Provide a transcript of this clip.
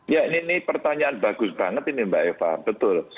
ya ini pertanyaan bagus banget ini mbak eva betul